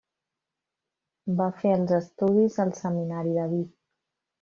Va fer els estudis al Seminari de Vic.